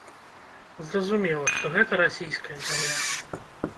Зразумела, што гэта расійская зямля.